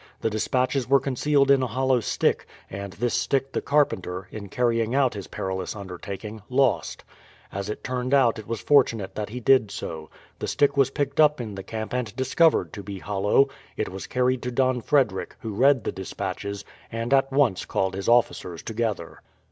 The despatches were concealed in a hollow stick, and this stick the carpenter, in carrying out his perilous undertaking, lost. As it turned out it was fortunate that he did so. The stick was picked up in the camp and discovered to be hollow. It was carried to Don Frederick, who read the despatches, and at once called his officers together.